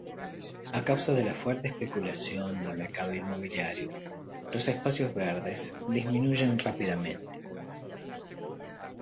A causa de la fuerte especulación del mercado inmobiliario, los espacios verdes disminuyen rápidamente.